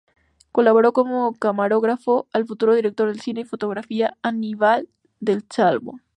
Colaboró como camarógrafo el futuro director de cine y de fotografía, Aníbal Di Salvo.